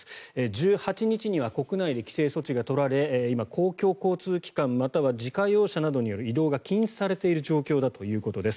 １８日には国内で規制措置が取られ今、公共交通機関または自家用車による移動が禁止されている状況だということです。